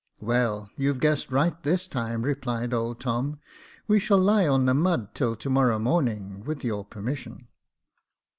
"Well, you've guessed right this time," replied old Tom, " we shall lie on the mud till to morrow morning, with your permission."